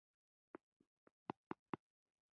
د سان ګبریل جګړه هم مخ په ختمېدو وه.